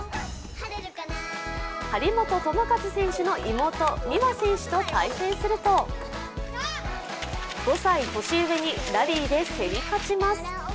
張本智和選手の妹・美和選手と対戦すると、５歳年上にラリーで競り勝ちます。